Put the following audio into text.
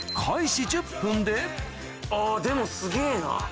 あぁでもすげぇな。